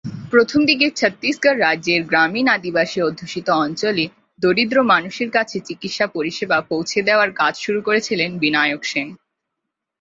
প্রথমদিকে ছত্তীসগঢ় রাজ্যের গ্রামীণ আদিবাসী অধ্যুষিত অঞ্চলে দরিদ্র মানুষের কাছে চিকিৎসা পরিষেবা পৌঁছে দেওয়ার কাজ শুরু করেছিলেন বিনায়ক সেন।